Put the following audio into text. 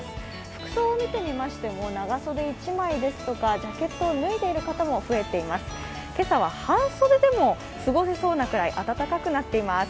服装を見てみましても長袖１枚ですとかジャケットを脱いでいる方も増えています。